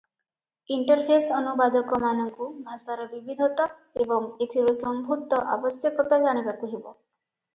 Interface ଅନୁବାଦକମାନଙ୍କୁ ଭାଷାର ବିବିଧତା ଏବଂ ଏଥିରୁ ସମ୍ଭୂତ ଆବଶ୍ୟକତା ଜାଣିବାକୁ ହେବ ।